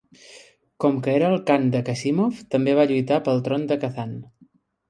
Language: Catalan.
Com que era el khan de Kassímov, també va lluitar pel tron de Kazan.